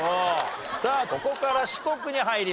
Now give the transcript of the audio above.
さあここから四国に入ります。